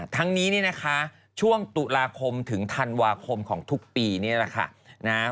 ทั้งนี้เนี่ยนะคะช่วงตุลาคมถึงธันวาคมของทุกปีนี่แหละค่ะนะ